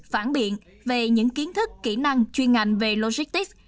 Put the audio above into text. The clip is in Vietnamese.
phản biện về những kiến thức kỹ năng chuyên ngành về logistics